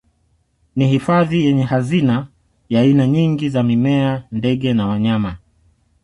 Ni hifadhi yenye hazina ya aina nyingi za mimea ndege na wanyama